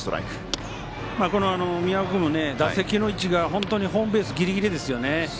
この宮尾君も打席の位置が本当にホームベースギリギリですよね。